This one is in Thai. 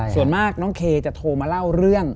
ส่วนมากน้องเคจะโทรมาเล่าเรื่อง